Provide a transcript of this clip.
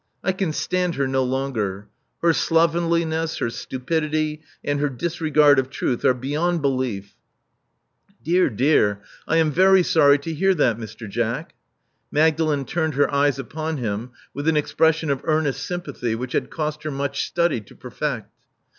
I can stand her no longer. Her sl;)venlincss, her stupidity, and her disregard of truth are beyond belief. l>e.ir. dear! I am very sorry to hear that, Mr. Jack." Ma^vLiIen turned her eyes upon him with an expres siiMi of earnest sympathy which had cost her much study to perfect.